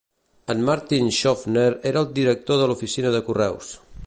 En Martin Shofner era el director de l'oficina de correus.